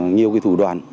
nhiều cái thủ đoạn